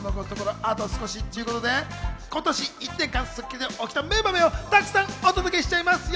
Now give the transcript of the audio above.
あと少しっちゅうことで、今年１年間『スッキリ』で起きた名場面を沢山お届けしちゃいますよ。